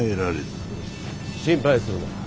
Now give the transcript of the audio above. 心配するな。